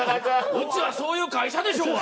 うちはそういう会社でしょうが！